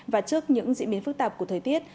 và trước những diễn biến phức tạp của thời tiết